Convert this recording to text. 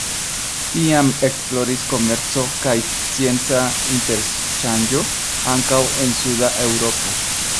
Tiam ekfloris komerco kaj scienca interŝanĝo, ankaŭ en suda Eŭropo.